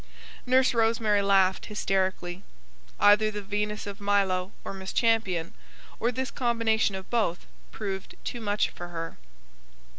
Nurse Rosemary laughed, hysterically. Either the Venus of Milo, or Miss Champion, or this combination of both, proved too much for her.